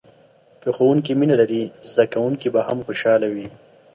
که ښوونکی مینه لري، زده کوونکی به هم خوشحاله وي.